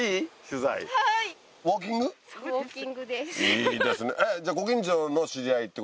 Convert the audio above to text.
いいですね。